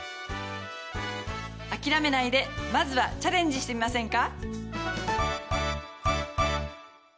諦めないでまずはチャレンジしてみませんか？